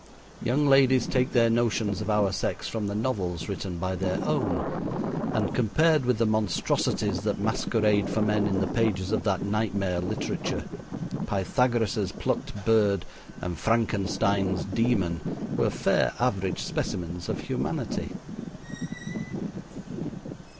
Young ladies take their notions of our sex from the novels written by their own, and compared with the monstrosities that masquerade for men in the pages of that nightmare literature, Pythagoras' plucked bird and Frankenstein's demon were fair average specimens of humanity.